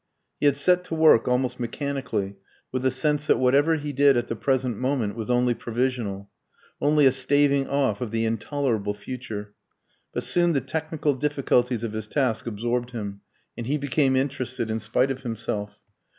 He had set to work almost mechanically, with a sense that whatever he did at the present moment was only provisional, only a staving off of the intolerable future; but soon the technical difficulties of his task absorbed him, and he became interested in spite of himself.